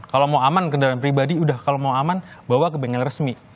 kalau mau aman kendaraan pribadi udah kalau mau aman bawa ke bengkel resmi